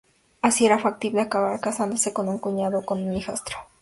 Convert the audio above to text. Así, era factible acabar casándose con un cuñado o con un hijastro.